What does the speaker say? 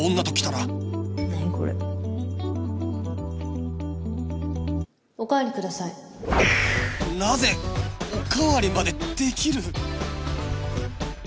なぜおかわりまでできる？